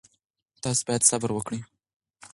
تاسو باید صبر وکړئ.